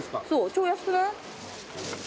超安くない？